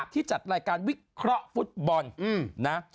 ที่จัดรายการวิเคราะห์ฟุตบอลนะ